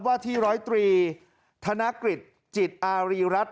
ว่าที่๑๐๓ธนกฤษจิตอารีรัฐ